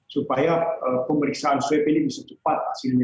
supaya pemeriksaan swab ini bisa cepat hasilnya